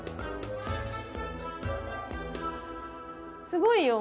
すごいよ。